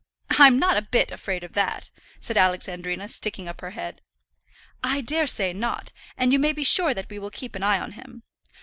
"I'm not a bit afraid of that," said Alexandrina, sticking up her head. "I daresay not; and you may be sure that we will keep an eye on him.